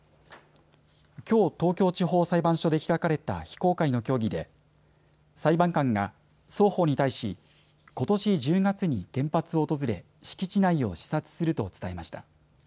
きょう、東京地方裁判所で開かれた非公開の協議で裁判官が双方に対しことし１０月に原発を訪れ、敷地内を視察すると伝えました。